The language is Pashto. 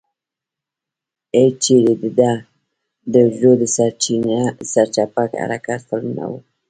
هېچېرې دده د حجرو د سرچپه حرکت فلم نه و.